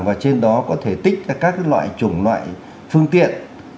và trên đó có thể tích ra các loại chủng loại phương tiện